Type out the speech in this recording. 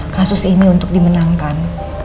kasus ini untuk dimenangkan